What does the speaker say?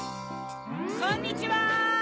こんにちは！